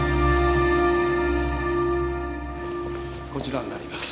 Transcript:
こちらになります。